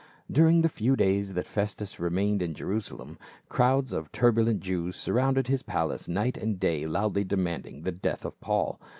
"* During the few days that Festus remained in Jerusalem, crowds of turbulent Jews surrounded his palace night and day loudly demanding the death of Paul.